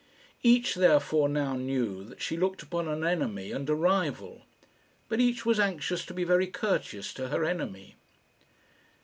Each, therefore, now knew that she looked upon an enemy and a rival; but each was anxious to be very courteous to her enemy.